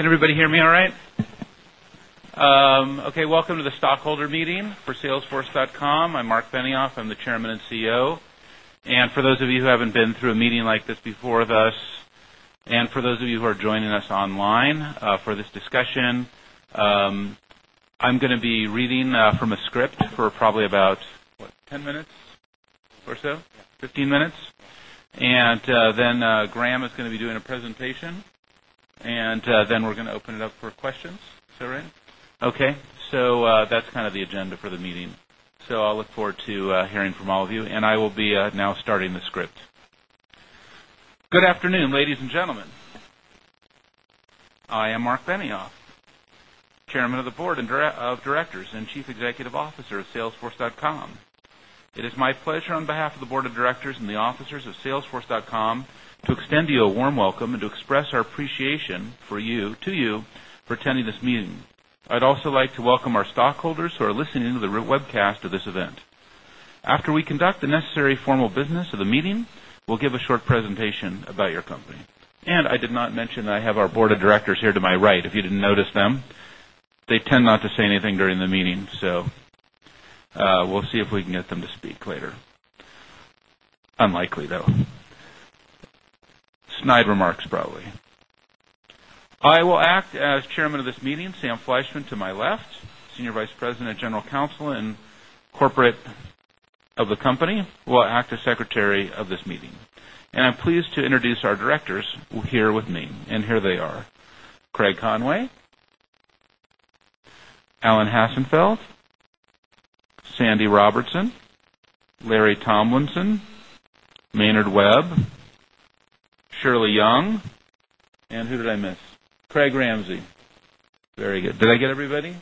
Can everybody hear me all right? Okay. Welcome to the stockholder meeting for Salesforce. I'm Marc Benioff. I'm the Chairman and CEO. For those of you who haven't been through a meeting like this before with us, and for those of you who are joining us online for this discussion, I'm going to be reading from a script for probably about, what, 10 minutes or so, 15 minutes. Graham is going to be doing a presentation, and then we're going to open it up for questions. Okay. That's kind of the agenda for the meeting. I'll look forward to hearing from all of you, and I will be now starting the script. Good afternoon, ladies and gentlemen. I am Marc Benioff, Chairman of the Board of Directors and Chief Executive Officer of Salesforce. It is my pleasure on behalf of the Board of Directors and the officers of Salesforce to extend you a warm welcome and to express our appreciation for you, to you, for attending this meeting. I'd also like to welcome our stockholders who are listening to the webcast of this event. After we conduct the necessary formal business of the meeting, we'll give a short presentation about your company. I did not mention that I have our Board of Directors here to my right, if you didn't notice them. They tend not to say anything during the meeting, so we'll see if we can get them to speak later. Unlikely, though. Snide remarks, probably. I will act as Chairman of this meeting. Sam Fleischman to my left, Senior Vice President and General Counsel in Corporate of the company, will act as Secretary of this meeting. I'm pleased to introduce our directors who are here with me, and here they are: Craig Conway, Alan Hassenfeld, Sandy Robertson, Larry Tomlinson, Maynard Webb, Shirley Young, and who did I miss? Craig Ramsey. Very good. Did I get everybody?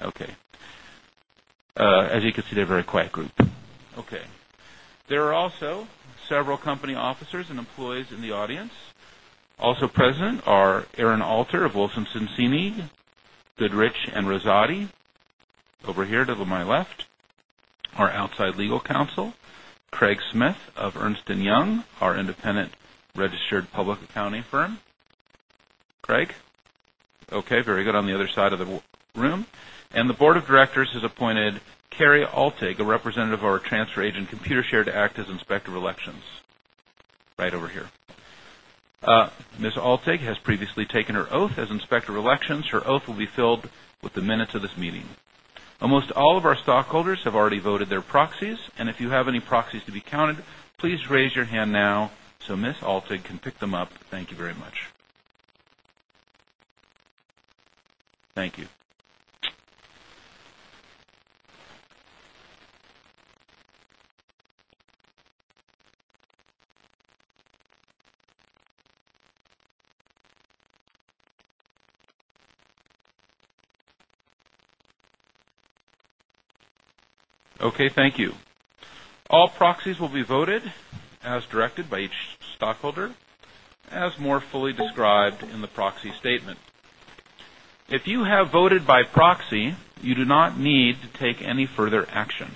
Okay. As you can see, they're a very quiet group. There are also several company officers and employees in the audience. Also present are Aaron Alter of Wilson Sonsini Goodrich & Rosati, over here to my left, our outside legal counsel, Craig Smith of Ernst & Young LLP, our independent registered public accounting firm. Craig? Okay. Very good. On the other side of the room. The Board of Directors has appointed Kerry Altig, a representative of our transfer agent Computershare, to act as Inspector of Elections, right over here. Ms. Altig has previously taken her oath as Inspector of Elections. Her oath will be filed with the minutes of this meeting. Almost all of our stockholders have already voted their proxies, and if you have any proxies to be counted, please raise your hand now so Ms. Altig can pick them up. Thank you very much. Thank you. Okay. Thank you. All proxies will be voted as directed by each stockholder, as more fully described in the proxy statement. If you have voted by proxy, you do not need to take any further action.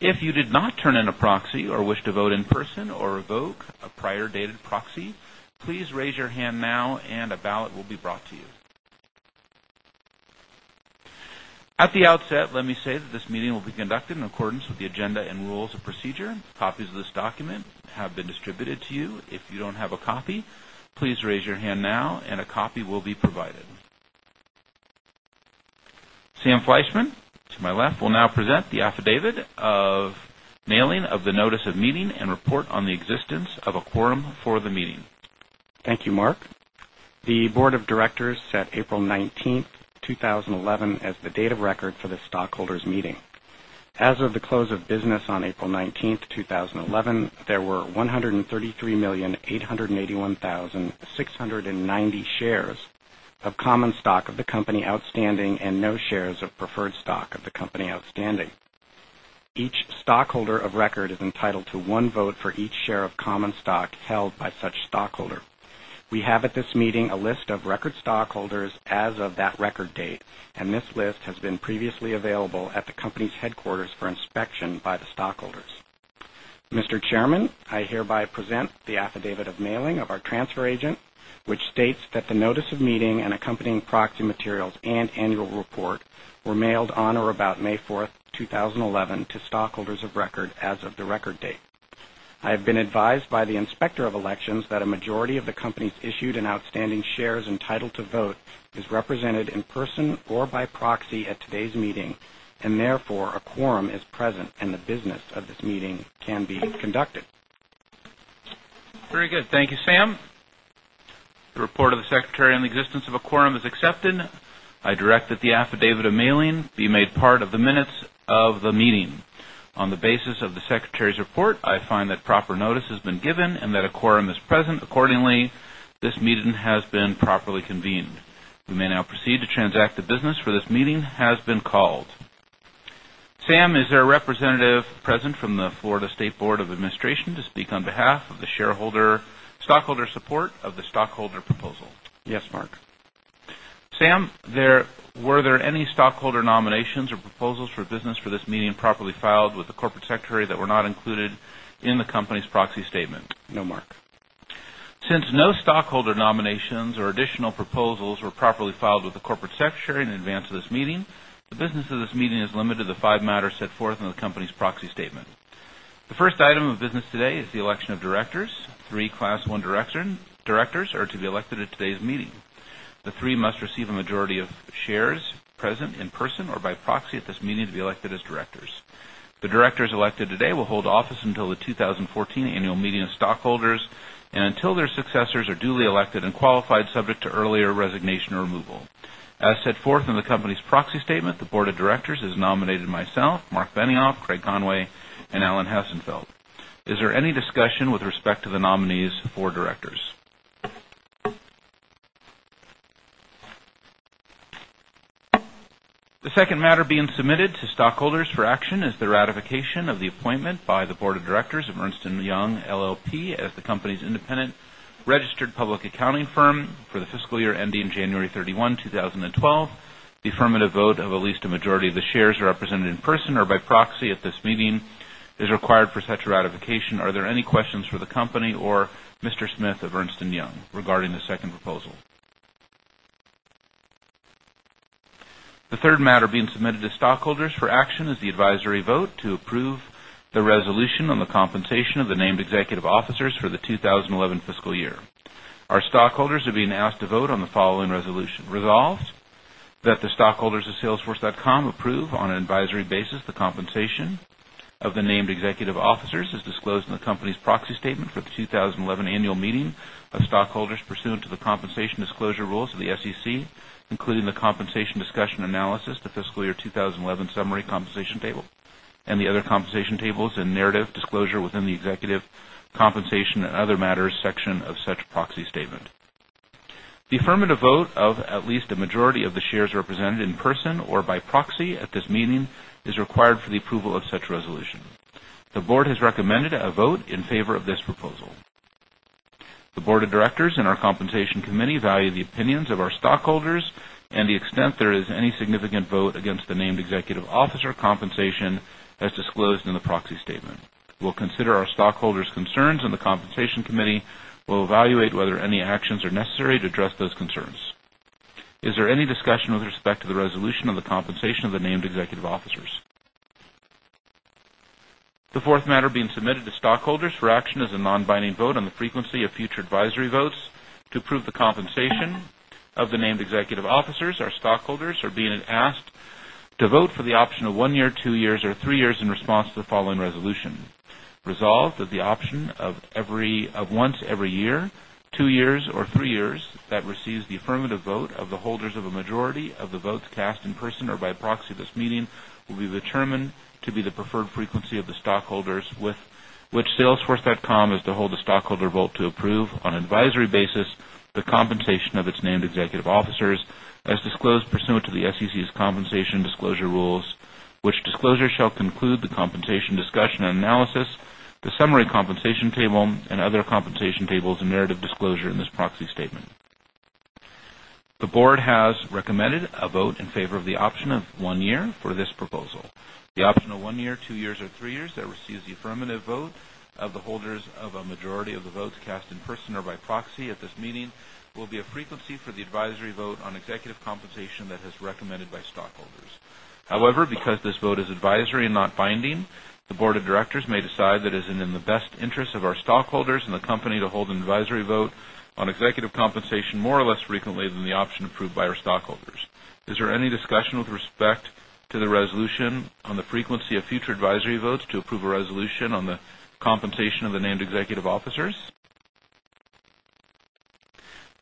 If you did not turn in a proxy or wish to vote in person or revoke a prior dated proxy, please raise your hand now and a ballot will be brought to you. At the outset, let me say that this meeting will be conducted in accordance with the agenda and rules of procedure. Copies of this document have been distributed to you. If you don't have a copy, please raise your hand now and a copy will be provided. Sam Fleischman, to my left, will now present the affidavit of mailing of the notice of meeting and report on the existence of a quorum for the meeting. Thank you, Marc. The Board of Directors set April 19, 2011, as the date of record for the stockholders' meeting. As of the close of business on April 19, 2011, there were 133,881,690 shares of common stock of the company outstanding and no shares of preferred stock of the company outstanding. Each stockholder of record is entitled to one vote for each share of common stock held by such stockholder. We have at this meeting a list of record stockholders as of that record date, and this list has been previously available at the company's headquarters for inspection by the stockholders. Mr. Chairman, I hereby present the affidavit of mailing of our transfer agent, which states that the notice of meeting and accompanying proxy materials and annual report were mailed on or about May 4, 2011, to stockholders of record as of the record date. I have been advised by the Inspector of Elections that a majority of the company's issued and outstanding shares entitled to vote is represented in person or by proxy at today's meeting, and therefore a quorum is present and the business of this meeting can be conducted. Very good. Thank you, Sam. The report of the Secretary on the existence of a quorum is accepted. I direct that the affidavit of mailing be made part of the minutes of the meeting. On the basis of the Secretary's report, I find that proper notice has been given and that a quorum is present. Accordingly, this meeting has been properly convened. We may now proceed to transact the business for which this meeting has been called. Sam, is there a representative present from the Florida State Board of Administration to speak on behalf of the stockholder support of the stockholder proposal? Yes, Marc. Sam, were there any stockholder nominations or proposals for business for this meeting properly filed with the Corporate Secretary that were not included in the company's proxy statement? No, Marc. Since no stockholder nominations or additional proposals were properly filed with the Corporate Secretary in advance of this meeting, the business of this meeting is limited to the five matters set forth in the company's proxy statement. The first item of business today is the election of directors. Three Class 1 directors are to be elected at today's meeting. The three must receive a majority of shares present in person or by proxy at this meeting to be elected as directors. The directors elected today will hold office until the 2014 annual meeting of stockholders and until their successors are duly elected and qualified, subject to earlier resignation or removal. As set forth in the company's proxy statement, the Board of Directors has nominated myself, Marc Benioff, Craig Conway, and Alan Hassenfeld. Is there any discussion with respect to the nominees for directors? The second matter being submitted to stockholders for action is the ratification of the appointment by the Board of Directors of Ernst & Young LLP as the company's independent registered public accounting firm for the fiscal year ending January 31, 2012. The affirmative vote of at least a majority of the shares represented in person or by proxy at this meeting is required for such ratification. Are there any questions for the company or Mr. Smith of Ernst & Young regarding the second proposal? The third matter being submitted to stockholders for action is the advisory vote to approve the resolution on the compensation of the named executive officers for the 2011 fiscal year. Our stockholders are being asked to vote on the following resolution. Resolved that the stockholders of Salesforce approve on an advisory basis the compensation of the named executive officers as disclosed in the company's proxy statement for the 2011 annual meeting of stockholders pursuant to the compensation disclosure rules of the SEC, including the compensation discussion and analysis, the fiscal year 2011 summary compensation table, and the other compensation tables and narrative disclosure within the executive compensation and other matters section of such proxy statement. The affirmative vote of at least a majority of the shares represented in person or by proxy at this meeting is required for the approval of such resolution. The Board has recommended a vote in favor of this proposal. The Board of Directors and our Compensation Committee value the opinions of our stockholders and to the extent there is any significant vote against the named executive officer compensation as disclosed in the proxy statement, we'll consider our stockholders' concerns and the Compensation Committee will evaluate whether any actions are necessary to address those concerns. Is there any discussion with respect to the resolution of the compensation of the named executive officers? The fourth matter being submitted to stockholders for action is a non-binding vote on the frequency of future advisory votes to approve the compensation of the named executive officers. Our stockholders are being asked to vote for the option of one year, two years, or three years in response to the following resolution. Resolved that the option of once every year, two years, or three years that receives the affirmative vote of the holders of a majority of the votes cast in person or by proxy at this meeting will be determined to be the preferred frequency of the stockholders with which Salesforce is to hold a stockholder vote to approve on an advisory basis the compensation of its named executive officers as disclosed pursuant to the SEC's compensation disclosure rules, which disclosure shall include the compensation discussion and analysis, the summary compensation table, and other compensation tables and narrative disclosure in this proxy statement. The Board has recommended a vote in favor of the option of one year for this proposal. The option of one year, two years, or three years that receives the affirmative vote of the holders of a majority of the votes cast in person or by proxy at this meeting will be a frequency for the advisory vote on executive compensation that is recommended by stockholders. However, because this vote is advisory and not binding, the Board of Directors may decide that it is in the best interest of our stockholders and the company to hold an advisory vote on executive compensation more or less frequently than the option approved by our stockholders. Is there any discussion with respect to the resolution on the frequency of future advisory votes to approve a resolution on the compensation of the named executive officers?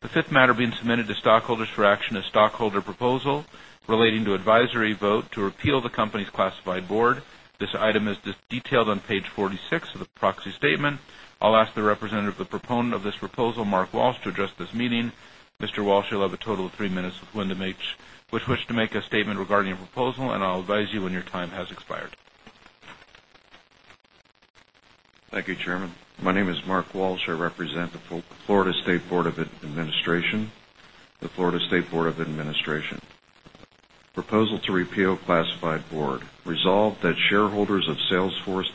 The fifth matter being submitted to stockholders for action is a stockholder proposal relating to advisory vote to repeal the company's classified board. This item is detailed on page 46 of the proxy statement. I'll ask the representative of the proponent of this proposal, Mark Walsh, to address this meeting. Mr. Walsh, you'll have a total of three minutes to make a statement regarding your proposal, and I'll advise you when your time has expired. Thank you, Chairman. My name is Mark Walsh. I represent the Florida State Board of Administration, the Florida State Board of Administration. Proposal to repeal classified board. Resolved that shareholders of Salesforce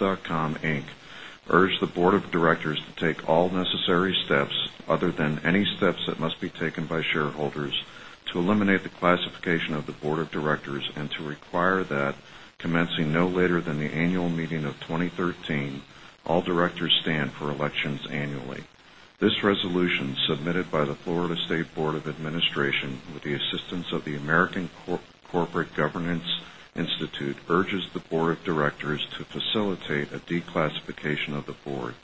urge the Board of Directors to take all necessary steps other than any steps that must be taken by shareholders to eliminate the classification of the Board of Directors and to require that commencing no later than the annual meeting of 2013, all directors stand for elections annually. This resolution submitted by the Florida State Board of Administration with the assistance of the American Corporate Governance Institute urges the Board of Directors to facilitate a declassification of the board.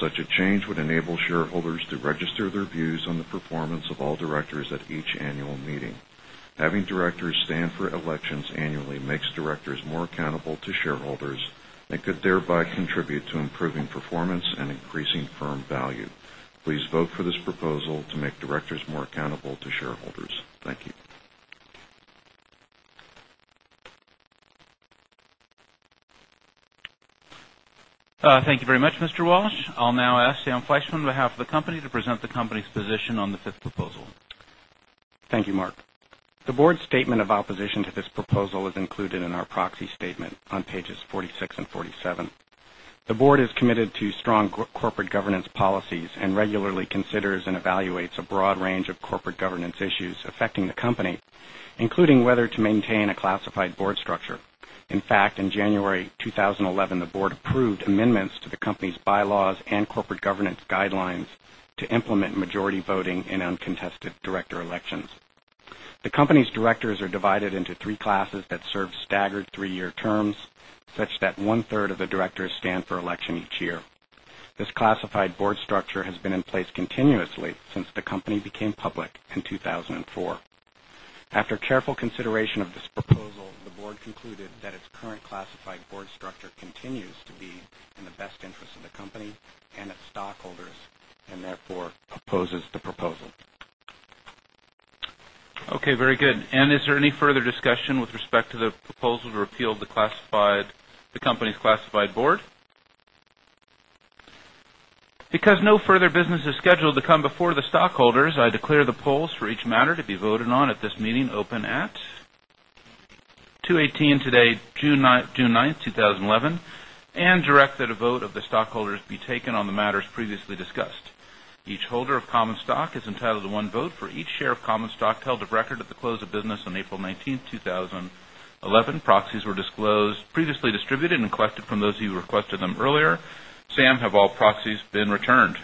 Such a change would enable shareholders to register their views on the performance of all directors at each annual meeting. Having directors stand for elections annually makes directors more accountable to shareholders and could thereby contribute to improving performance and increasing firm value. Please vote for this proposal to make directors more accountable to shareholders. Thank you. Thank you very much, Mr. Walsh. I'll now ask Sam Fleischman on behalf of the company to present the company's position on the fifth proposal. Thank you, Marc. The board's statement of opposition to this proposal is included in our proxy statement on pages 46 and 47. The board is committed to strong corporate governance policies and regularly considers and evaluates a broad range of corporate governance issues affecting the company, including whether to maintain a classified board structure. In fact, in January 2011, the board approved amendments to the company's bylaws and corporate governance guidelines to implement majority voting in uncontested director elections. The company's directors are divided into three classes that serve staggered three-year terms, such that one-third of the directors stand for election each year. This classified board structure has been in place continuously since the company became public in 2004. After careful consideration of this proposal, the board concluded that its current classified board structure continues to be in the best interest of the company and its stockholders and therefore opposes the proposal. Very good. Is there any further discussion with respect to the proposal to repeal the company's classified board? Because no further business is scheduled to come before the stockholders, I declare the polls for each matter to be voted on at this meeting open at 2:18 P.M. today, June 9, 2011, and direct that a vote of the stockholders be taken on the matters previously discussed. Each holder of common stock is entitled to one vote for each share of common stock held of record at the close of business on April 19, 2011. Proxies were previously distributed and collected from those of you who requested them earlier. Sam, have all proxies been returned?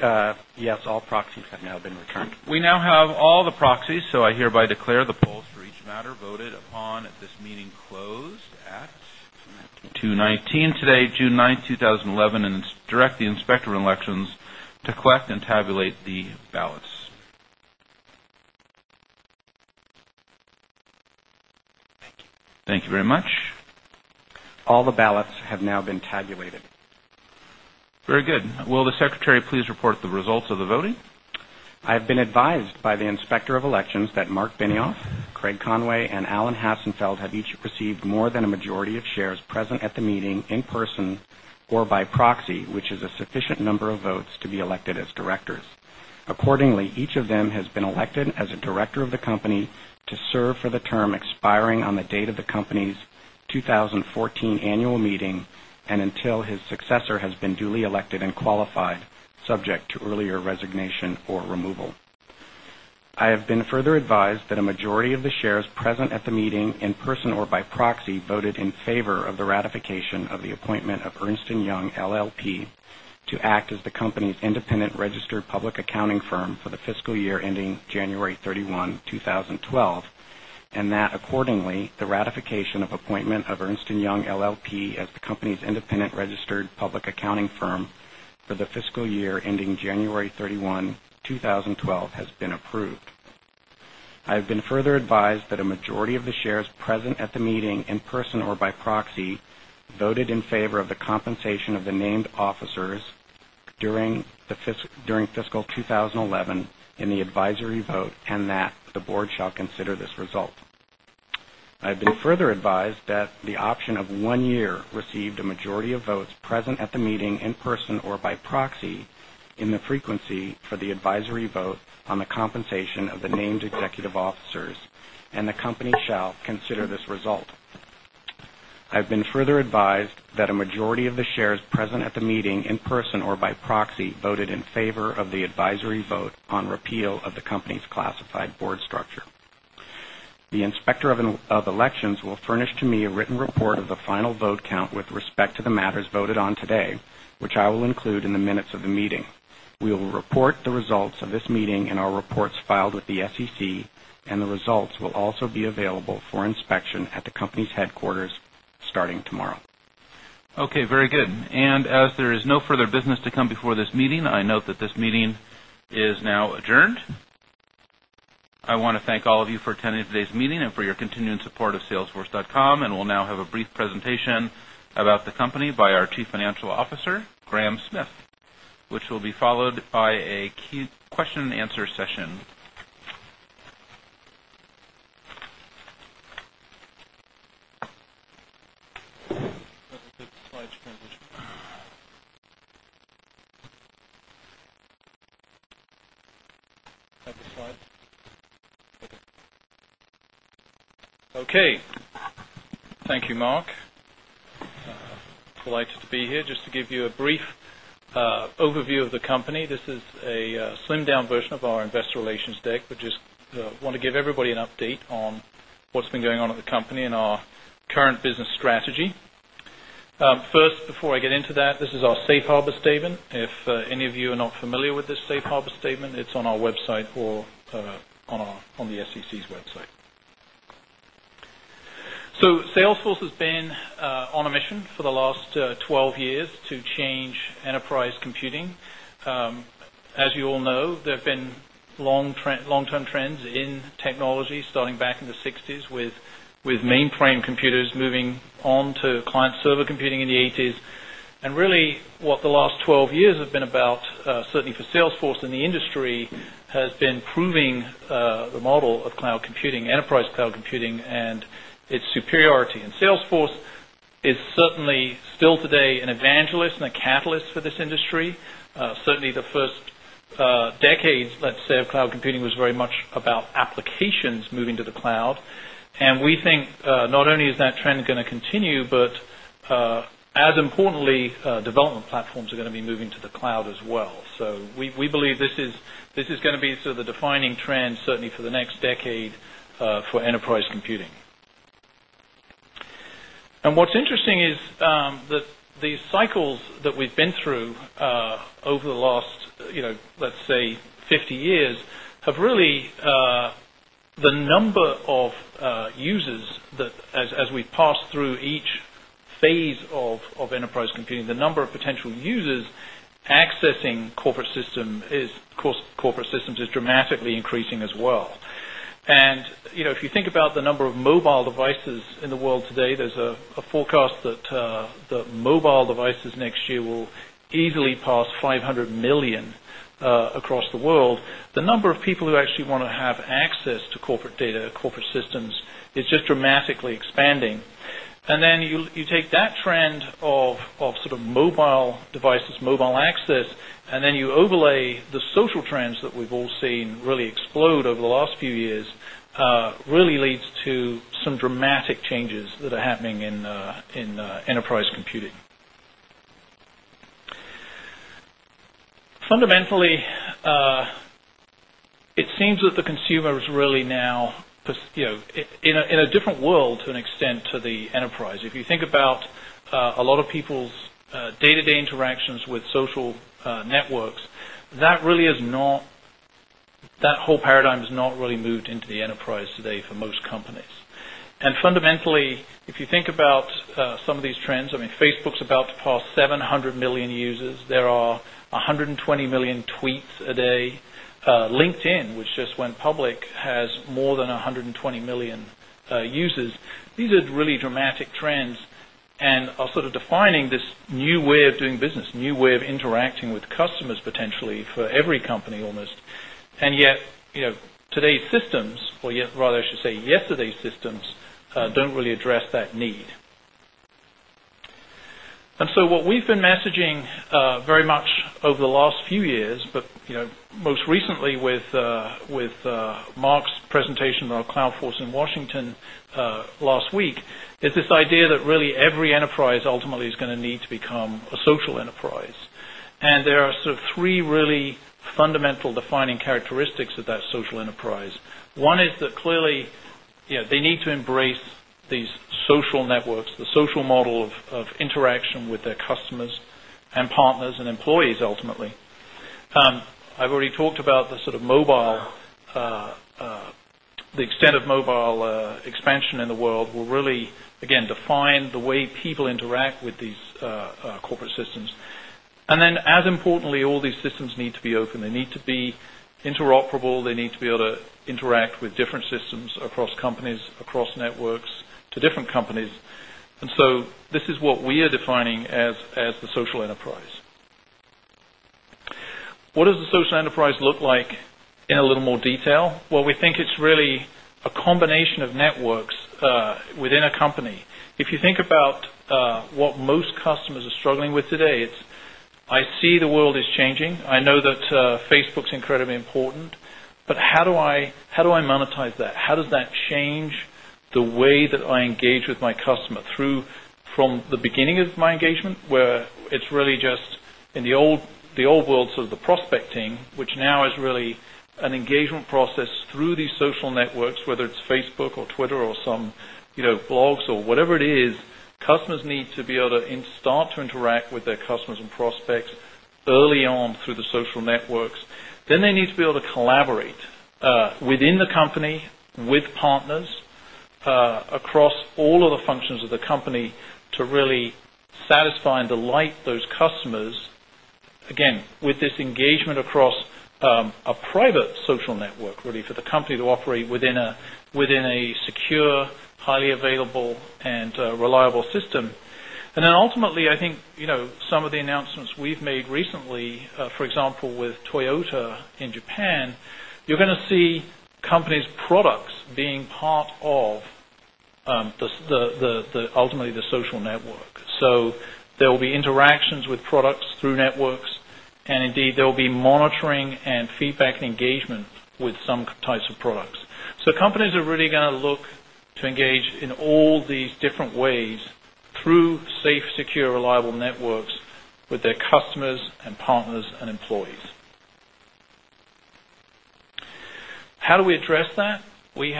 Yes, all proxies have now been returned. We now have all the proxies, so I hereby declare the polls for each matter voted upon at this meeting closed at 2:19 P.M. today, June 9, 2011, and direct the Inspector of Elections to collect and tabulate the ballots. Thank you very much. All the ballots have now been tabulated. Very good. Will the Secretary please report the results of the voting? I have been advised by the Inspector of Elections that Marc Benioff, Craig Conway, and Alan Hassenfeld have each received more than a majority of shares present at the meeting in person or by proxy, which is a sufficient number of votes to be elected as directors. Accordingly, each of them has been elected as a director of the company to serve for the term expiring on the date of the company's 2014 annual meeting and until his successor has been duly elected and qualified, subject to earlier resignation or removal. I have been further advised that a majority of the shares present at the meeting in person or by proxy voted in favor of the ratification of the appointment of Ernst & Young LLP to act as the company's independent registered public accounting firm for the fiscal year ending January 31, 2012, and that accordingly, the ratification of appointment of Ernst & Young LLP as the company's independent registered public accounting firm for the fiscal year ending January 31, 2012, has been approved. I have been further advised that a majority of the shares present at the meeting in person or by proxy voted in favor of the compensation of the named officers during fiscal 2011 in the advisory vote and that the board shall consider this result. I have been further advised that the option of one year received a majority of votes present at the meeting in person or by proxy in the frequency for the advisory vote on the compensation of the named executive officers and the company shall consider this result. I have been further advised that a majority of the shares present at the meeting in person or by proxy voted in favor of the advisory vote on repeal of the company's classified board structure. The Inspector of Elections will furnish to me a written report of the final vote count with respect to the matters voted on today, which I will include in the minutes of the meeting. We will report the results of this meeting in our reports filed with the SEC, and the results will also be available for inspection at the company's headquarters starting tomorrow. Okay. Very good. As there is no further business to come before this meeting, I note that this meeting is now adjourned. I want to thank all of you for attending today's meeting and for your continuing support of Salesforce, and we'll now have a brief presentation about the company by our Chief Financial Officer, Graham Smith, which will be followed by a question and answer session. Thank you, Marc. Delighted to be here. Just to give you a brief overview of the company, this is a slimmed-down version of our investor relations deck, but just want to give everybody an update on what's been going on at the company and our current business strategy. First, before I get into that, this is our safe harbor statement. If any of you are not familiar with this safe harbor statement, it's on our website or on the SEC's website. Salesforce has been on a mission for the last 12 years to change enterprise computing. As you all know, there have been long-term trends in technology starting back in the 1960s with mainframe computers moving on to client server computing in the 1980s. What the last 12 years have been about, certainly for Salesforce in the industry, has been proving the model of cloud computing, enterprise cloud computing, and its superiority. Salesforce is certainly still today an evangelist and a catalyst for this industry. The first decades, let's say, of cloud computing was very much about applications moving to the cloud. We think not only is that trend going to continue, but as importantly, development platforms are going to be moving to the cloud as well. We believe this is going to be sort of the defining trend, certainly for the next decade for enterprise computing. What's interesting is that these cycles that we've been through over the last, let's say, 50 years have really, the number of users that, as we pass through each phase of enterprise computing, the number of potential users accessing corporate systems is dramatically increasing as well. If you think about the number of mobile devices in the world today, there's a forecast that mobile devices next year will easily pass 500 million across the world. The number of people who actually want to have access to corporate data, corporate systems is just dramatically expanding. You take that trend of sort of mobile devices, mobile access, and then you overlay the social trends that we've all seen really explode over the last few years, really leads to some dramatic changes that are happening in enterprise computing. Fundamentally, it seems that the consumer is really now in a different world to an extent to the enterprise. If you think about a lot of people's day-to-day interactions with social networks, that whole paradigm has not really moved into the enterprise today for most companies. Fundamentally, if you think about some of these trends, I mean, Facebook's about to pass 700 million users. There are 120 million tweets a day. LinkedIn, which just went public, has more than 120 million users. These are really dramatic trends and are sort of defining this new way of doing business, a new way of interacting with customers potentially for every company almost. Yet, today's systems, or rather I should say yesterday's systems, don't really address that need. What we've been messaging very much over the last few years, but most recently with Marc's presentation of Cloudforce in Washington last week, is this idea that really every enterprise ultimately is going to need to become a social enterprise. There are sort of three really fundamental defining characteristics of that social enterprise. One is that clearly they need to embrace these social networks, the social model of interaction with their customers and partners and employees ultimately. I've already talked about the sort of mobile, the extent of mobile expansion in the world will really, again, define the way people interact with these corporate systems. As importantly, all these systems need to be open. They need to be interoperable. They need to be able to interact with different systems across companies, across networks to different companies. This is what we are defining as the social enterprise. What does the social enterprise look like in a little more detail? We think it's really a combination of networks within a company. If you think about what most customers are struggling with today, it's, I see the world is changing. I know that Facebook's incredibly important, but how do I monetize that? How does that change the way that I engage with my customer from the beginning of my engagement, where it's really just in the old world, sort of the prospecting, which now is really an engagement process through these social networks, whether it's Facebook or Twitter or some blogs or whatever it is, customers need to be able to start to interact with their customers and prospects early on through the social networks. They need to be able to collaborate within the company, with partners, across all of the functions of the company to really satisfy and delight those customers, again, with this engagement across a private social network, really for the company to operate within a secure, highly available, and reliable system. Ultimately, I think some of the announcements we've made recently, for example, with Toyota in Japan, you're going to see companies' products being part of ultimately the social network. There will be interactions with products through networks, and indeed, there will be monitoring and feedback and engagement with some types of products. Companies are really going to look to engage in all these different ways through safe, secure, reliable networks with their customers and partners and employees. How do we address that? We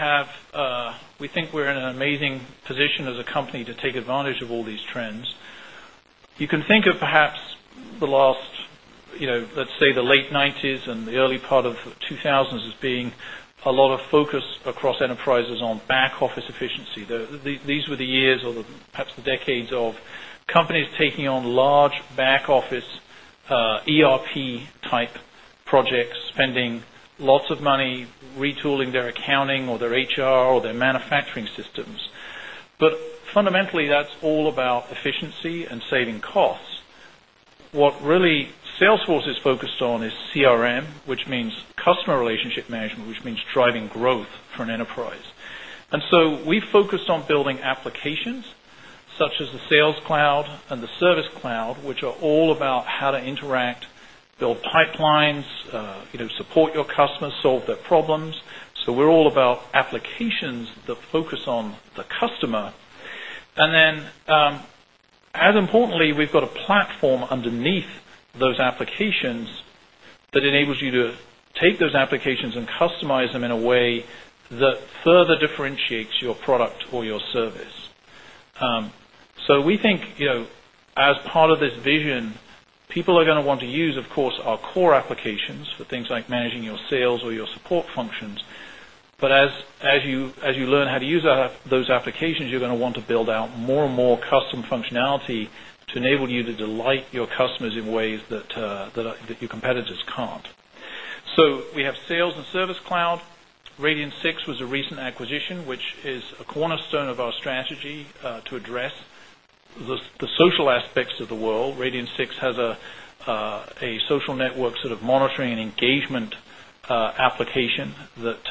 think we're in an amazing position as a company to take advantage of all these trends. You can think of perhaps the last, let's say, the late 1990s and the early part of the 2000s as being a lot of focus across enterprises on back office efficiency. These were the years or perhaps the decades of companies taking on large back office ERP type projects, spending lots of money retooling their accounting or their HR or their manufacturing systems. Fundamentally, that's all about efficiency and saving costs. What really Salesforce is focused on is CRM, which means customer relationship management, which means driving growth for an enterprise. We focused on building applications such as Sales Cloud and Service Cloud, which are all about how to interact, build pipelines, support your customers, solve their problems. We're all about applications that focus on the customer. As importantly, we've got a platform underneath those applications that enables you to take those applications and customize them in a way that further differentiates your product or your service. We think as part of this vision, people are going to want to use, of course, our core applications for things like managing your sales or your support functions. As you learn how to use those applications, you're going to want to build out more and more custom functionality to enable you to delight your customers in ways that your competitors can't. We have Sales Cloud and Service Cloud. Radian6 was a recent acquisition, which is a cornerstone of our strategy to address the social aspects of the world. Radian6 has a social network sort of monitoring and engagement application that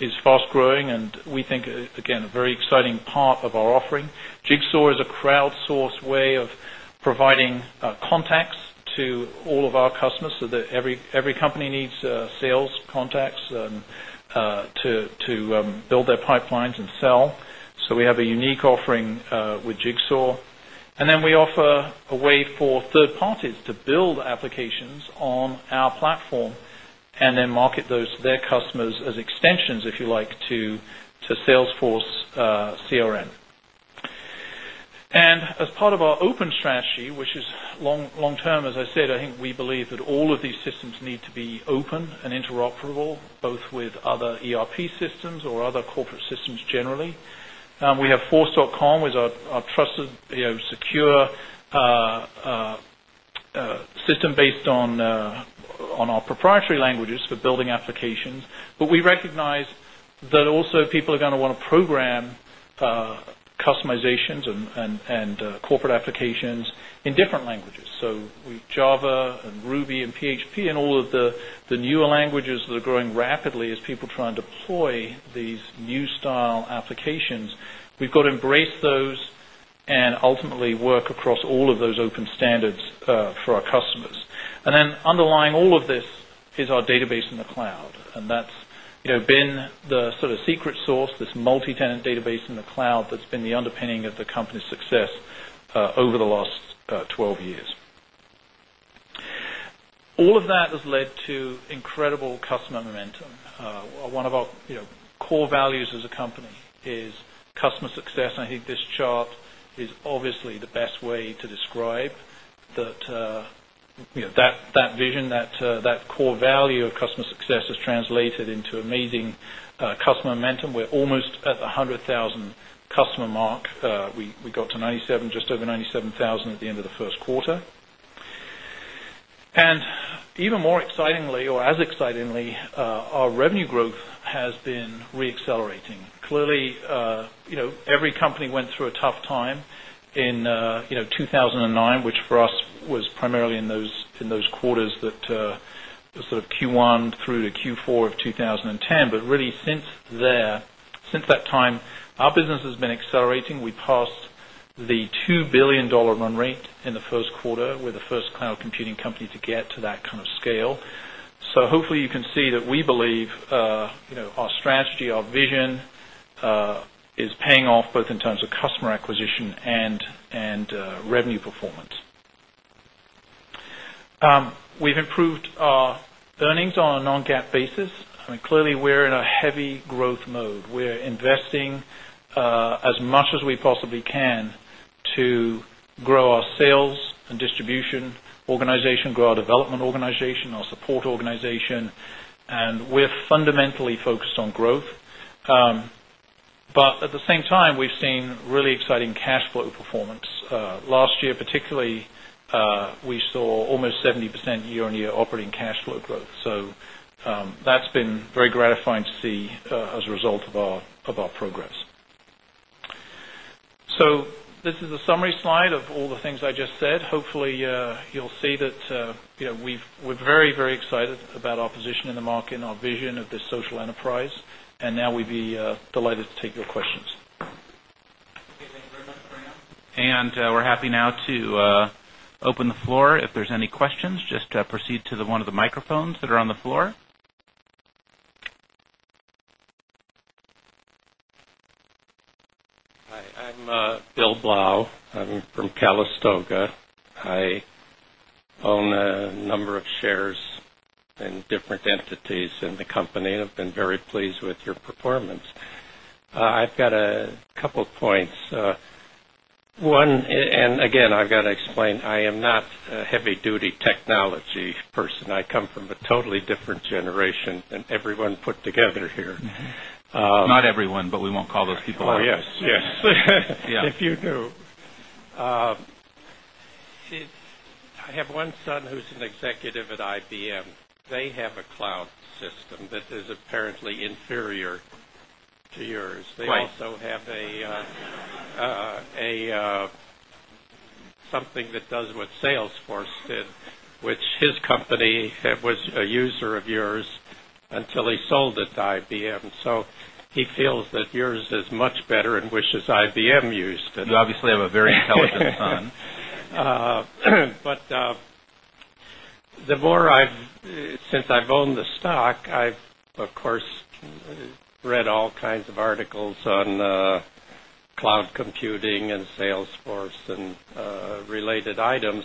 is fast growing and we think, again, a very exciting part of our offering. Jigsaw is a crowdsourced way of providing contacts to all of our customers. Every company needs sales contacts to build their pipelines and sell. We have a unique offering with Jigsaw. We offer a way for third parties to build applications on our platform and then market those to their customers as extensions, if you like, to Salesforce CRM. As part of our open strategy, which is long-term, I think we believe that all of these systems need to be open and interoperable, both with other ERP systems or other corporate systems generally. We have Force.com, which is our trusted, secure system based on our proprietary languages for building applications. We recognize that also people are going to want to program customizations and corporate applications in different languages. We have Java and Ruby and PHP and all of the newer languages that are growing rapidly as people try and deploy these new style applications. We have to embrace those and ultimately work across all of those open standards for our customers. Underlying all of this is our database in the cloud. That has been the sort of secret sauce, this multi-tenant database in the cloud that's been the underpinning of the company's success over the last 12 years. All of that has led to incredible customer momentum. One of our core values as a company is customer success. I think this chart is obviously the best way to describe that vision, that core value of customer success has translated into amazing customer momentum. We're almost at the 100,000 customer mark. We got to just over 97,000 at the end of the first quarter. Even more excitingly, or as excitingly, our revenue growth has been re-accelerating. Clearly, every company went through a tough time in 2009, which for us was primarily in those quarters that sort of Q1 through to Q4 of 2010. Really since that time, our business has been accelerating. We passed the $2 billion run rate in the first quarter. We're the first cloud computing company to get to that kind of scale. Hopefully, you can see that we believe our strategy, our vision is paying off both in terms of customer acquisition and revenue performance. We've improved our earnings on a non-GAAP basis. Clearly, we're in a heavy growth mode. We're investing as much as we possibly can to grow our sales and distribution organization, grow our development organization, our support organization. We're fundamentally focused on growth. At the same time, we've seen really exciting cash flow performance. Last year, particularly, we saw almost 70% year-on-year operating cash flow growth. That's been very gratifying to see as a result of our progress. This is a summary slide of all the things I just said. Hopefully, you'll see that we're very, very excited about our position in the market and our vision of this social enterprise. We'd be delighted to take your questions. We are happy now to open the floor. If there are any questions, just proceed to one of the microphones that are on the floor. Hi, I'm Bill Blau. I'm from Calistoga. I own a number of shares in different entities in the company. I've been very pleased with your performance. I've got a couple of points. One, I am not a heavy-duty technology person. I come from a totally different generation than everyone put together here. Not everyone, but we won't call those people out. Yes, if you knew. I have one son who's an executive at IBM. They have a cloud system that is apparently inferior to yours. They also have something that does what Salesforce did, which his company was a user of yours until he sold it to IBM. He feels that yours is much better and wishes IBM used it. You obviously have a very intelligent son. Since I've owned the stock, I've read all kinds of articles on cloud computing and Salesforce and related items.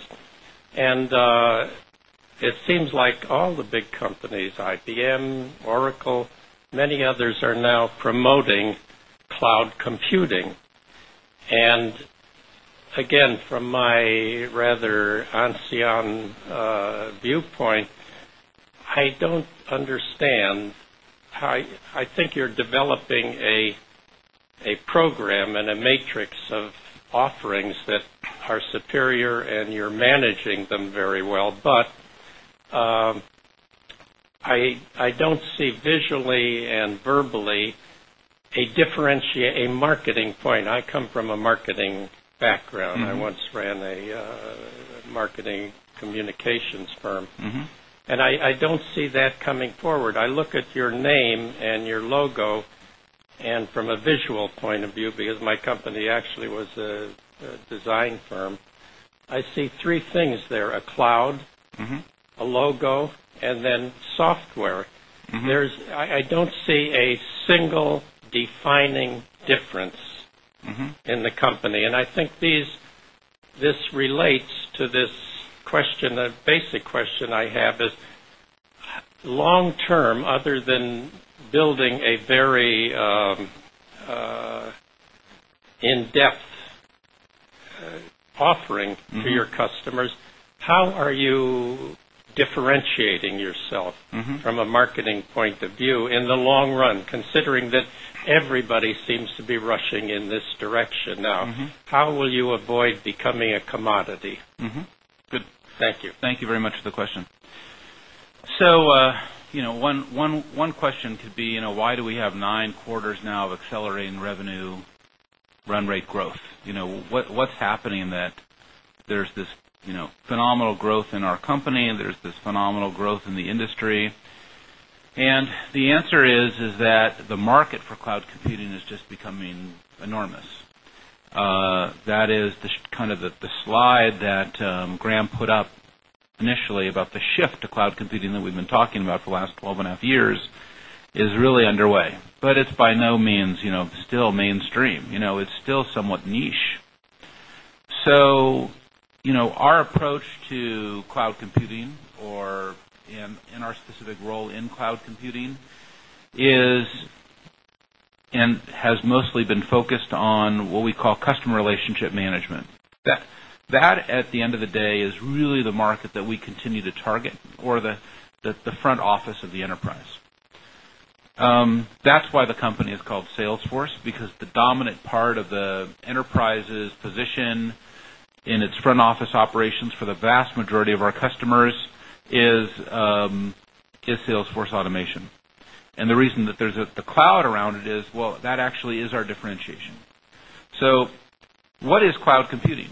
It seems like all the big companies, IBM, Oracle, many others are now promoting cloud computing. From my rather ancient viewpoint, I don't understand how I think you're developing a program and a matrix of offerings that are superior and you're managing them very well. I don't see visually and verbally a differentiating marketing point. I come from a marketing background. I once ran a marketing communications firm. I don't see that coming forward. I look at your name and your logo, and from a visual point of view, because my company actually was a design firm, I see three things there: a cloud, a logo, and then software. I don't see a single defining difference in the company. I think this relates to this question, a basic question I have is long-term, other than building a very in-depth offering to your customers, how are you differentiating yourself from a marketing point of view in the long run, considering that everybody seems to be rushing in this direction now? How will you avoid becoming a commodity? Good. Thank you. Thank you very much for the question. One question could be, you know, why do we have nine quarters now of accelerating revenue run rate growth? What's happening that there's this phenomenal growth in our company and there's this phenomenal growth in the industry? The answer is that the market for cloud computing is just becoming enormous. That is the kind of the slide that Graham put up initially about the shift to cloud computing that we've been talking about for the last 12.5 years is really underway. It is by no means, you know, still mainstream. It's still somewhat niche. Our approach to cloud computing or in our specific role in cloud computing is and has mostly been focused on what we call customer relationship management. That, at the end of the day, is really the market that we continue to target or the front office of the enterprise. That's why the company is called Salesforce, because the dominant part of the enterprise's position in its front office operations for the vast majority of our customers is Salesforce automation. The reason that there's the cloud around it is, well, that actually is our differentiation. What is cloud computing?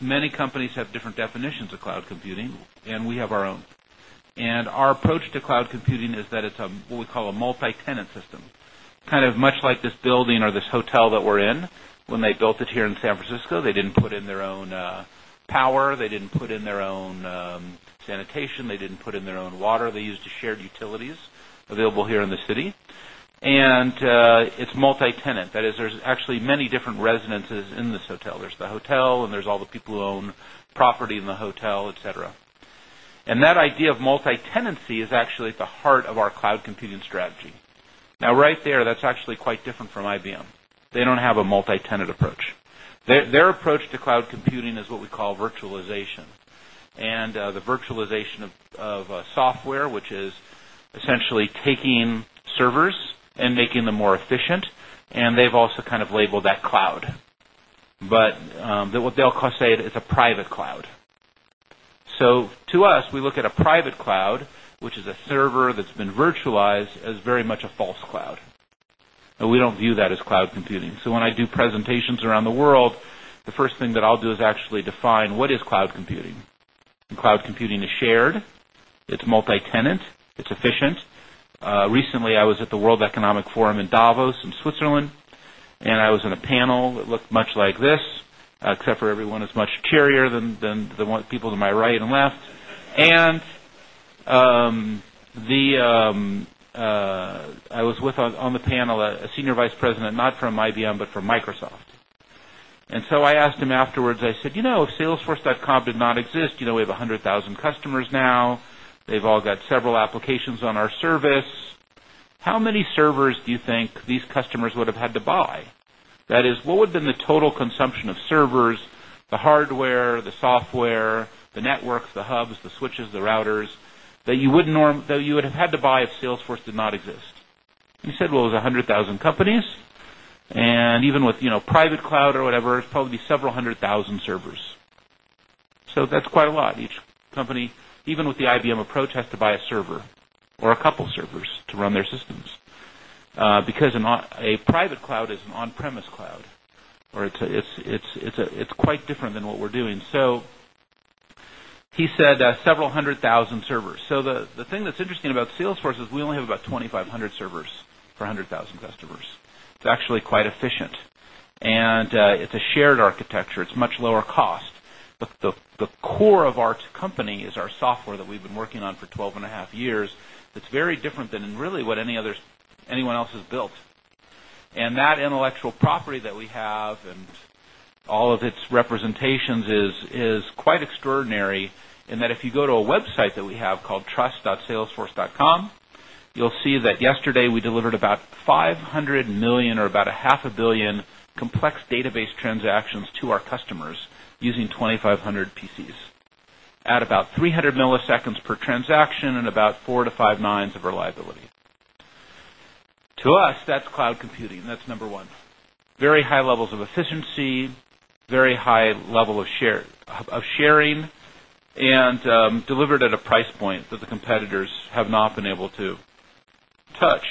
Many companies have different definitions of cloud computing, and we have our own. Our approach to cloud computing is that it's what we call a multi-tenant system, kind of much like this building or this hotel that we're in. When they built it here in San Francisco, they didn't put in their own power, they didn't put in their own sanitation, they didn't put in their own water. They used shared utilities available here in the city. It's multi-tenant. That is, there's actually many different residences in this hotel. There's the hotel and there's all the people who own property in the hotel, etc. That idea of multi-tenancy is actually at the heart of our cloud computing strategy. Right there, that's actually quite different from IBM. They don't have a multi-tenant approach. Their approach to cloud computing is what we call virtualization. The virtualization of software, which is essentially taking servers and making them more efficient, and they've also kind of labeled that cloud. They'll say it's a private cloud. To us, we look at a private cloud, which is a server that's been virtualized as very much a false cloud. We don't view that as cloud computing. When I do presentations around the world, the first thing that I'll do is actually define what is cloud computing. Cloud computing is shared. It's multi-tenant. It's efficient. Recently, I was at the World Economic Forum in Davos in Switzerland, and I was in a panel that looked much like this, except for everyone is much cheerier than the people to my right and left. I was with on the panel a Senior Vice President, not from IBM, but from Microsoft. I asked him afterwards, I said, "You know, if Salesforce did not exist, you know, we have 100,000 customers now. They've all got several applications on our service. How many servers do you think these customers would have had to buy? That is, what would have been the total consumption of servers, the hardware, the software, the networks, the hubs, the switches, the routers that you wouldn't normally have had to buy if Salesforce did not exist?" He said, "Well, it was 100,000 companies. Even with private cloud or whatever, it's probably several hundred thousand servers." That's quite a lot. Each company, even with the IBM approach, has to buy a server or a couple of servers to run their systems because a private cloud is an on-premise cloud. It's quite different than what we're doing. He said several hundred thousand servers. The thing that's interesting about Salesforce is we only have about 2,500 servers for 100,000 customers. It's actually quite efficient. It's a shared architecture. It's much lower cost. The core of our company is our software that we've been working on for 12 and a half years that's very different than really what anyone else has built. That intellectual property that we have and all of its representations is quite extraordinary in that if you go to a website that we have called trust.salesforce.com, you'll see that yesterday we delivered about 500 million or about a half a billion complex database transactions to our customers using 2,500 PCs at about 300 milliseconds per transaction and about four to five nines of reliability. To us, that's cloud computing. That's number one. Very high levels of efficiency, very high level of sharing, and delivered at a price point that the competitors have not been able to touch.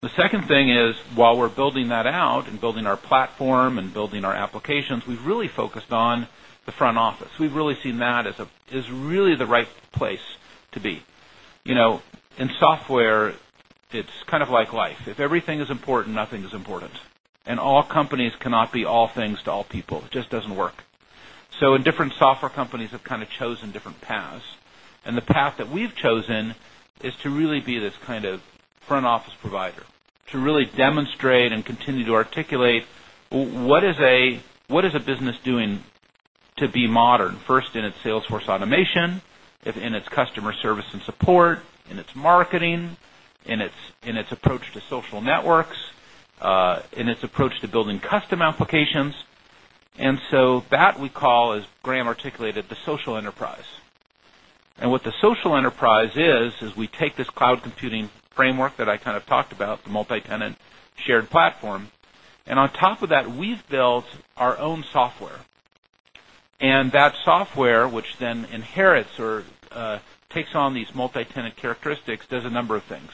The second thing is while we're building that out and building our platform and building our applications, we've really focused on the front office. We've really seen that as really the right place to be. You know, in software, it's kind of like life. If everything is important, nothing is important. All companies cannot be all things to all people. It just doesn't work. In different software companies, they've kind of chosen different paths. The path that we've chosen is to really be this kind of front office provider to really demonstrate and continue to articulate what is a business doing to be modern, first in its Salesforce automation, in its customer service and support, in its marketing, in its approach to social networks, in its approach to building custom applications. That we call, as Graham articulated, the social enterprise. What the social enterprise is, is we take this cloud computing framework that I kind of talked about, the multi-tenant shared platform, and on top of that, we've built our own software. That software, which then inherits or takes on these multi-tenant characteristics, does a number of things.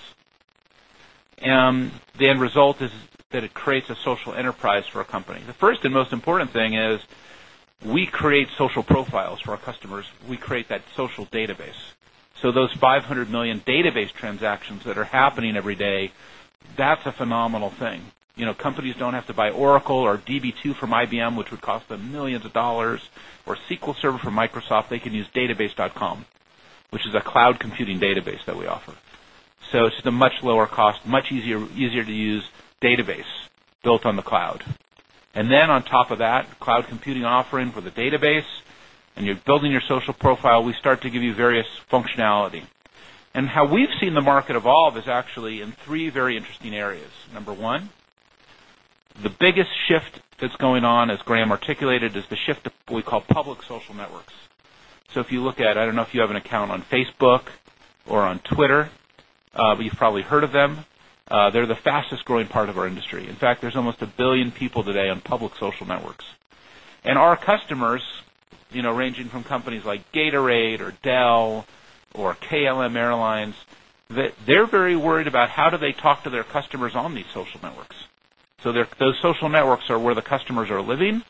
The end result is that it creates a social enterprise for a company. The first and most important thing is we create social profiles for our customers. We create that social database. Those 500 million database transactions that are happening every day, that's a phenomenal thing. Companies don't have to buy Oracle or DB2 from IBM, which would cost them millions of dollars, or SQL Server from Microsoft. They can use database.com, which is a cloud computing database that we offer. It's just a much lower cost, much easier to use database built on the cloud. On top of that, cloud computing offering for the database, and you're building your social profile, we start to give you various functionality. How we've seen the market evolve is actually in three very interesting areas. Number one, the biggest shift that's going on, as Graham articulated, is the shift to what we call public social networks. If you look at, I don't know if you have an account on Facebook or on Twitter, but you've probably heard of them. They're the fastest growing part of our industry. In fact, there's almost a billion people today on public social networks. Our customers, ranging from companies like Gatorade or Dell or KLM Airlines, they're very worried about how do they talk to their customers on these social networks. Those social networks are where the customers are living.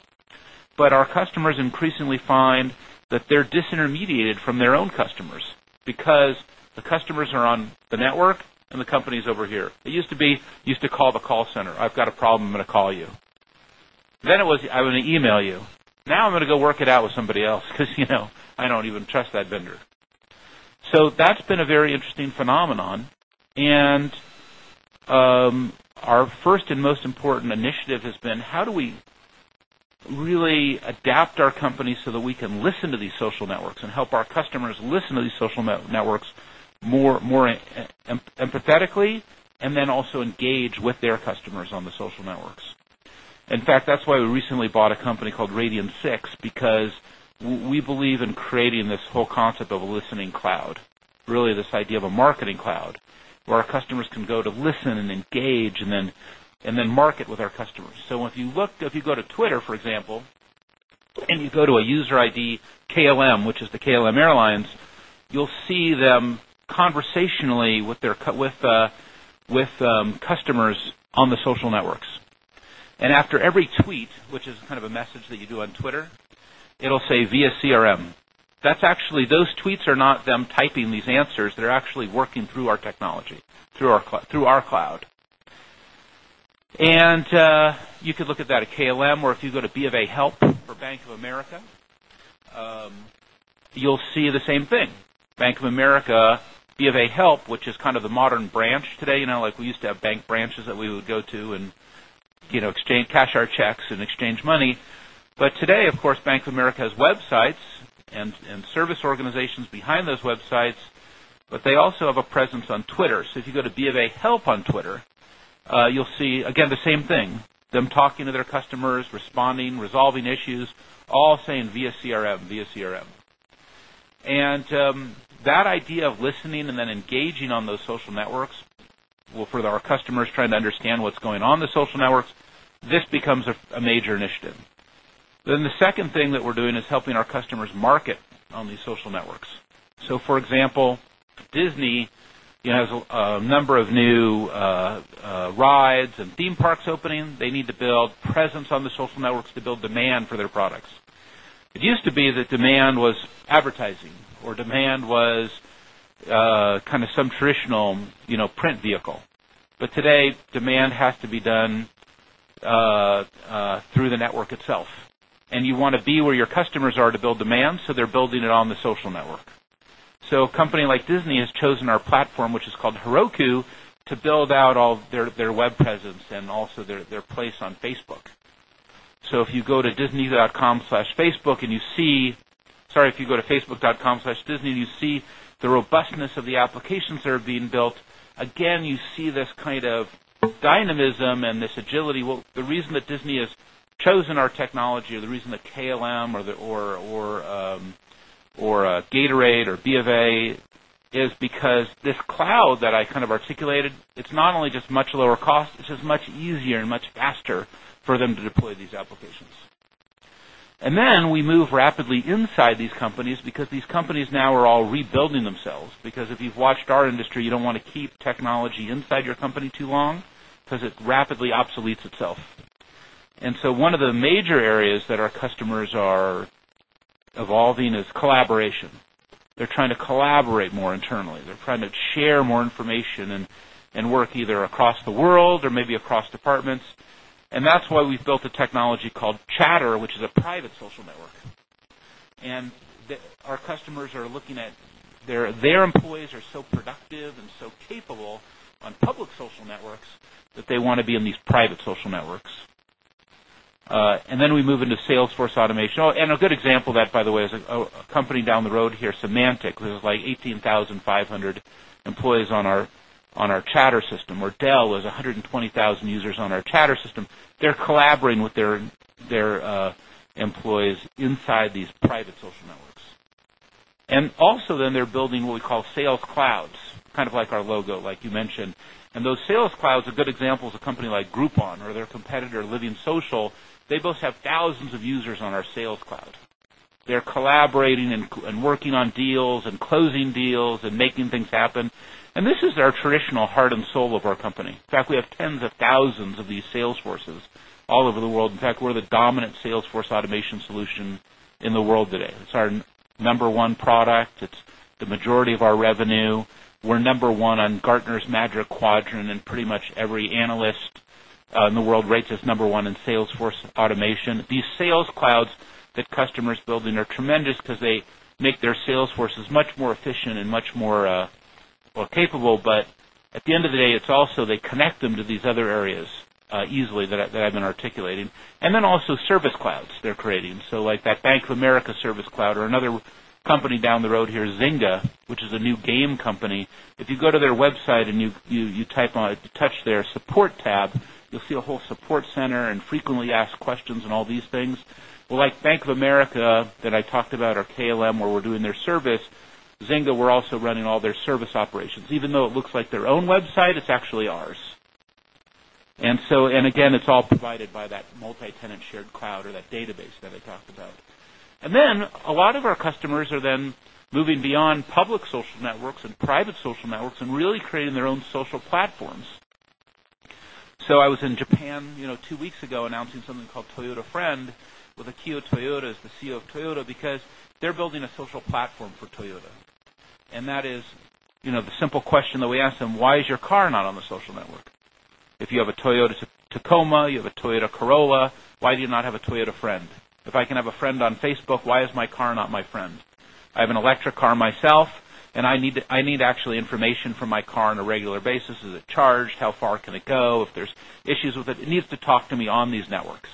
Our customers increasingly find that they're disintermediated from their own customers because the customers are on the network and the company's over here. It used to be you would call the call center. I've got a problem. I'm going to call you. Then it was, I'm going to email you. Now I'm going to go work it out with somebody else because, you know, I don't even trust that vendor. That's been a very interesting phenomenon. Our first and most important initiative has been how do we really adapt our companies so that we can listen to these social networks and help our customers listen to these social networks more empathetically and then also engage with their customers on the social networks. In fact, that's why we recently bought a company called Radian6 because we believe in creating this whole concept of a listening cloud, really this idea of a marketing cloud where our customers can go to listen and engage and then market with our customers. If you go to Twitter, for example, and you go to a user ID KLM, which is the KLM Airlines, you'll see them conversationally with customers on the social networks. After every tweet, which is kind of a message that you do on Twitter, it'll say via CRM. Those tweets are not them typing these answers. They're actually working through our technology, through our cloud. You could look at that at KLM, or if you go to B of A Help for Bank of America, you'll see the same thing. Bank of America, B of A Help, which is kind of the modern branch today, you know, like we used to have bank branches that we would go to and, you know, cash our checks and exchange money. Today, of course, Bank of America has websites and service organizations behind those websites, but they also have a presence on Twitter. If you go to B of A Help on Twitter, you'll see, again, the same thing, them talking to their customers, responding, resolving issues, all saying via CRM, via CRM. That idea of listening and then engaging on those social networks, for our customers trying to understand what's going on in the social networks, this becomes a major initiative. The second thing that we're doing is helping our customers market on these social networks. For example, Disney has a number of new rides and theme parks opening. They need to build presence on the social networks to build demand for their products. It used to be that demand was advertising or demand was kind of some traditional print vehicle. Today, demand has to be done through the network itself. You want to be where your customers are to build demand. They're building it on the social network. A company like Disney has chosen our platform, which is called Heroku, to build out all their web presence and also their place on Facebook. If you go to facebook.com/disney and you see the robustness of the applications that are being built, you see this kind of dynamism and this agility. The reason that Disney has chosen our technology, or the reason that KLM or Gatorade or B of A is because this cloud that I kind of articulated, it's not only just much lower cost, it's just much easier and much faster for them to deploy these applications. We move rapidly inside these companies because these companies now are all rebuilding themselves. If you've watched our industry, you don't want to keep technology inside your company too long because it rapidly obsoletes itself. One of the major areas that our customers are evolving is collaboration. They're trying to collaborate more internally. They're trying to share more information and work either across the world or maybe across departments. That's why we've built a technology called Chatter, which is a private social network. Our customers are looking at their employees who are so productive and so capable on public social networks that they want to be in these private social networks. We move into Salesforce Automation. A good example of that is a company down the road here, Symantec, who has like 18,500 employees on our Chatter system, or Dell has 120,000 users on our Chatter system. They're collaborating with their employees inside these private social networks. They're also building what we call Sales Cloud, kind of like our logo, like you mentioned. Those Sales Clouds, a good example is a company like Groupon or their competitor, LivingSocial. They both have thousands of users on our Sales Cloud. They're collaborating and working on deals and closing deals and making things happen. This is our traditional heart and soul of our company. In fact, we have tens of thousands of these Salesforces all over the world. In fact, we're the dominant Salesforce automation solution in the world today. It's our number one product. It's the majority of our revenue. We're number one on Gartner's Magic Quadrant, and pretty much every analyst in the world rates us number one in Salesforce automation. These Sales Clouds that customers build in are tremendous because they make their Salesforces much more efficient and much more, well, capable. At the end of the day, they also connect them to these other areas easily that I've been articulating. Also, Service Clouds they're creating, like that Bank of America Service Cloud or another company down the road here, Zynga, which is a new game company. If you go to their website and you touch their support tabs, you'll see a whole support center and frequently asked questions and all these things. Like Bank of America that I talked about or KLM where we're doing their service, Zynga, we're also running all their service operations. Even though it looks like their own website, it's actually ours. It's all provided by that multi-tenant shared cloud or that database that I talked about. A lot of our customers are then moving beyond public social networks and private social networks and really creating their own social platforms. I was in Japan two weeks ago announcing something called Toyota Friend with Akio Toyoda, the CEO of Toyota, because they're building a social platform for Toyota. That is the simple question that we ask them, why is your car not on the social network? If you have a Toyota Tacoma, you have a Toyota Corolla, why do you not have a Toyota Friend? If I can have a friend on Facebook, why is my car not my friend? I have an electric car myself, and I need to actually have information from my car on a regular basis. Is it charged? How far can it go? If there's issues with it, it needs to talk to me on these networks.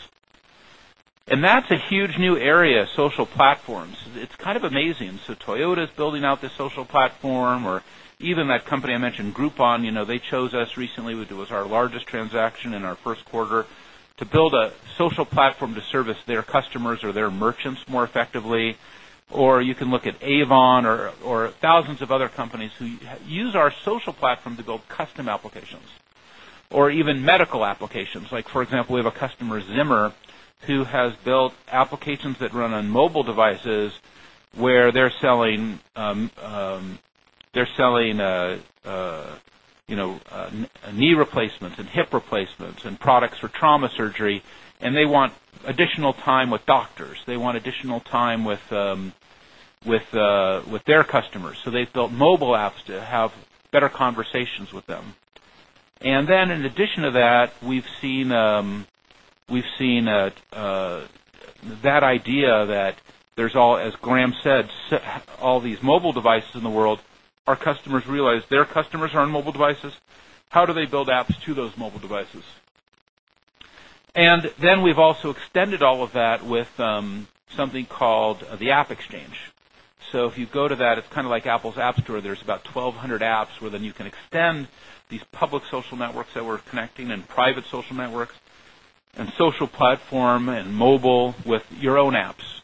That's a huge new area, social platforms. It's kind of amazing. Toyota is building out this social platform, or even that company I mentioned, Groupon, they chose us recently. It was our largest transaction in our first quarter to build a social platform to service their customers or their merchants more effectively. You can look at Avon or thousands of other companies who use our social platform to build custom applications or even medical applications. For example, we have a customer, Zimmer, who has built applications that run on mobile devices where they're selling knee replacements and hip replacements and products for trauma surgery. They want additional time with doctors. They want additional time with their customers. They've built mobile apps to have better conversations with them. In addition to that, we've seen that idea that there's all, as Graham said, all these mobile devices in the world, our customers realize their customers are on mobile devices. How do they build apps to those mobile devices? We've also extended all of that with something called the AppExchange. If you go to that, it's kind of like Apple's App Store. There's about 1,200 apps where you can extend these public social networks that we're connecting and private social networks and social platform and mobile with your own apps.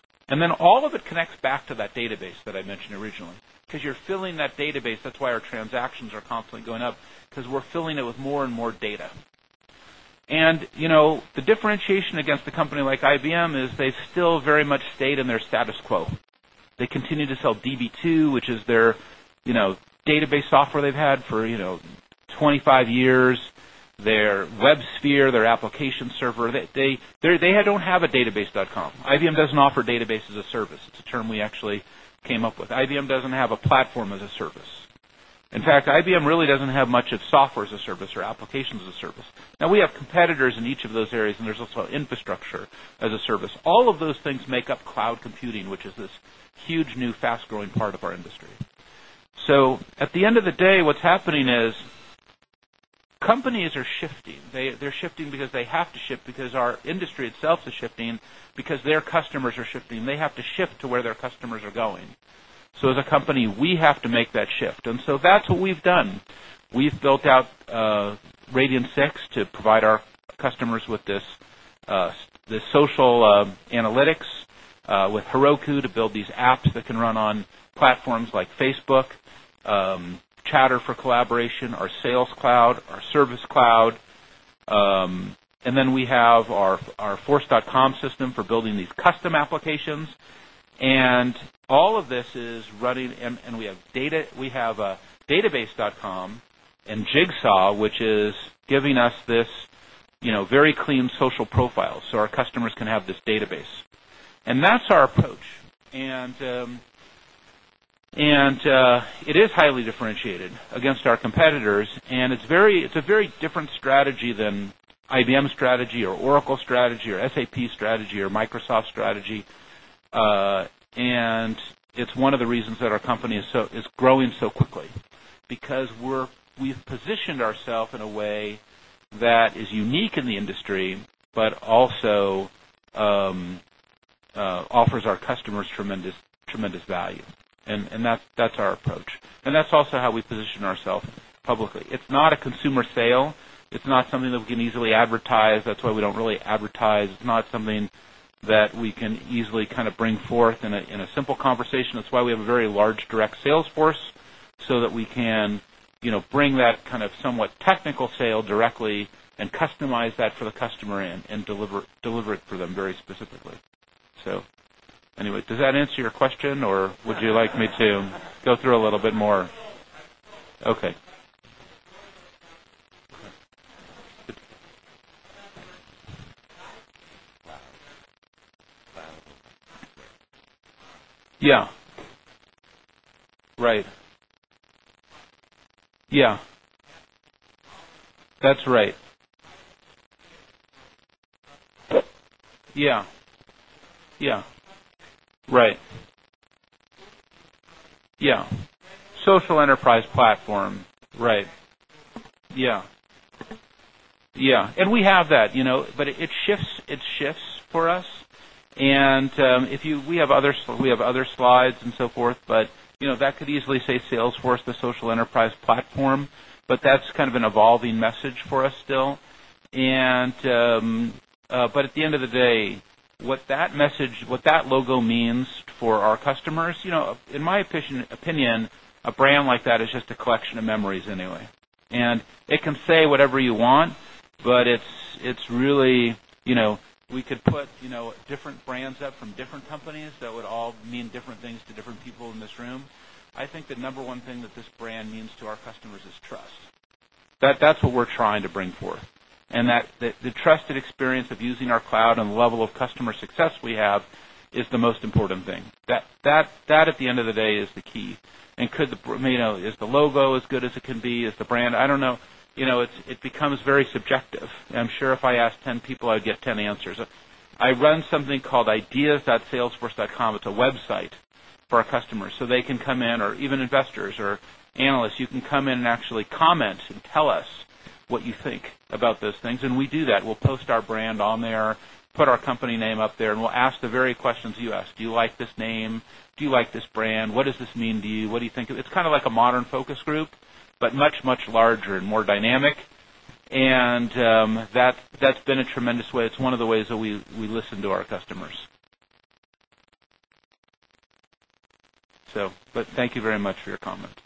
All of it connects back to that database that I mentioned originally because you're filling that database. That's why our transactions are constantly going up because we're filling it with more and more data. The differentiation against a company like IBM is they've still very much stayed in their status quo. They continue to sell DB2, which is their database software they've had for 25 years, their WebSphere, their application server. They don't have a database.com. IBM doesn't offer databases as a service. It's a term we actually came up with. IBM doesn't have a platform as a service. In fact, IBM really doesn't have much of software as a service or applications as a service. We have competitors in each of those areas, and there's also infrastructure as a service. All of those things make up cloud computing, which is this huge new fast-growing part of our industry. At the end of the day, what's happening is companies are shifting. They're shifting because they have to shift, because our industry itself is shifting, because their customers are shifting. They have to shift to where their customers are going. As a company, we have to make that shift. That's what we've done. We've built out Radian6 to provide our customers with this social analytics, with Heroku to build these apps that can run on platforms like Facebook, Chatter for collaboration, our Sales Cloud, our Service Cloud. We have our Force.com system for building these custom applications. All of this is running, and we have database.com and Jigsaw, which is giving us this very clean social profile so our customers can have this database. That is our approach, and it is highly differentiated against our competitors. It is a very different strategy than IBM's strategy or Oracle's strategy or SAP's strategy or Microsoft's strategy. It is one of the reasons that our company is growing so quickly because we've positioned ourselves in a way that is unique in the industry, but also offers our customers tremendous value. That is our approach, and that is also how we position ourselves publicly. It is not a consumer sale. It is not something that we can easily advertise. That is why we do not really advertise. It is not something that we can easily bring forth in a simple conversation. That is why we have a very large direct sales force so that we can bring that kind of somewhat technical sale directly and customize that for the customer and deliver it for them very specifically. Does that answer your question, or would you like me to go through a little bit more? Okay. Yeah. Right. Yeah. That's right. Yeah. Yeah. Right. Yeah. Social enterprise platform. Right. Yeah. Yeah. We have that, but it shifts for us. We have other slides and so forth, but that could easily say Salesforce, the social enterprise platform, but that is kind of an evolving message for us still. At the end of the day, what that message, what that logo means for our customers, in my opinion, a brand like that is just a collection of memories anyway. It can say whatever you want, but it is really, we could put different brands up from different companies that would all mean different things to different people in this room. I think the number one thing that this brand means to our customers is trust. That is what we are trying to bring forth, and the trusted experience of using our cloud and the level of customer success we have is the most important thing. That, at the end of the day, is the key. Is the logo as good as it can be? Is the brand? I do not know. It becomes very subjective. I am sure if I asked 10 people, I would get 10 answers. I run something called ideas.salesforce.com. It's a website for our customers so they can come in, or even investors or analysts, you can come in and actually comment and tell us what you think about those things. We do that. We'll post our brand on there, put our company name up there, and we'll ask the very questions you asked. Do you like this name? Do you like this brand? What does this mean to you? What do you think? It's kind of like a modern focus group, but much, much larger and more dynamic. That's been a tremendous way. It's one of the ways that we listen to our customers. Thank you very much for your comments.